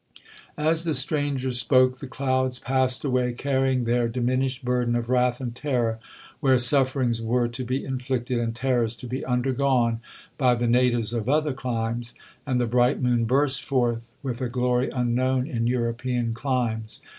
'As the stranger spoke, the clouds passed away, carrying their diminished burden of wrath and terror where sufferings were to be inflicted, and terrors to be undergone, by the natives of other climes—and the bright moon burst forth with a glory unknown in European climes.